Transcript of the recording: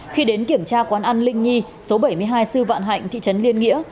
khi đến kiểm tra quán ăn linh nhi số bảy mươi hai sư vạn hạnh thị trấn liên nghĩa